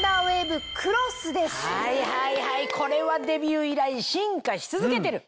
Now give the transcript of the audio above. はいはいこれはデビュー以来進化し続けてる！